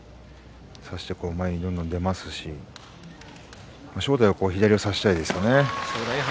差して前にどんどん出ますし正代は左を差したいですね。